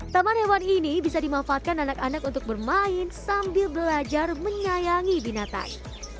taman hewan ini bisa dimanfaatkan anak anak untuk bermain sambil belajar menyayangi binatang